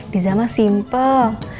di zaman simple